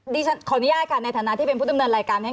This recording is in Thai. เดี๋ยวนะคะขออนุญาตค่ะในฐานะที่เป็นผู้ดำเนินรายการนี้